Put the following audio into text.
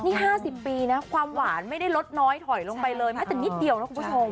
นี่๕๐ปีนะความหวานไม่ได้ลดน้อยถอยลงไปเลยแม้แต่นิดเดียวนะคุณผู้ชม